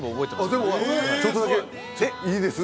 ああ全部ちょっとだけいいです？